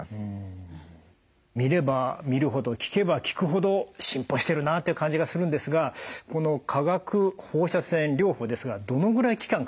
見れば見るほど聞けば聞くほど進歩してるなっていう感じがするんですがこの化学放射線療法ですがどのぐらい期間かかるんですか？